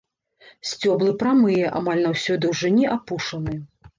Сцёблы прамыя, амаль на ўсёй даўжыні апушаны.